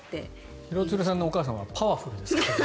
廣津留さんのお母さんはパワフルなんですね。